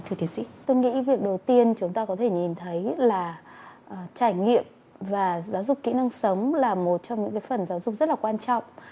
thì tôi nghĩ việc đầu tiên chúng ta có thể nhìn thấy là trải nghiệm và giáo dục kỹ năng sống là một trong những phần giáo dục rất là quan trọng